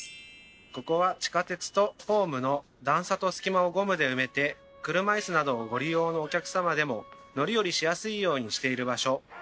ここは地下鉄とホームの段差と隙間をゴムで埋めて車いすなどをご利用のお客様でも乗り降りしやすいようにしている場所。